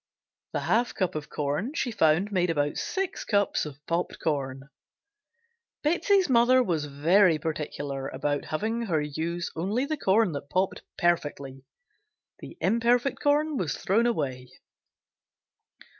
The half cup of corn she found made about six cups of popped corn. Betsey's mother was very particular about having her use only the corn that popped perfectly; the imperfect corn was thrown away.